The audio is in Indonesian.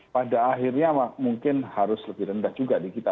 pada akhirnya mungkin harus lebih rendah juga di kita